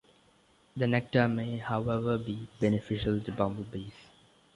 The nectar may, however, be beneficial to bumblebees.